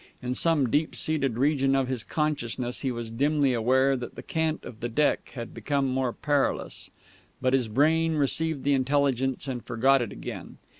In some deep seated region of his consciousness he was dimly aware that the cant of the deck had become more perilous, but his brain received the intelligence and forgot it again.